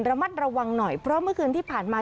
ระมัดระวังหน่อยเพราะเมื่อคืนที่ผ่านมา